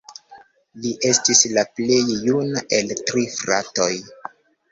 Li estis la plej juna el tri fratoj.